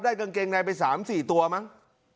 ได้กางเกงในไปสามสี่ตัวมั้ง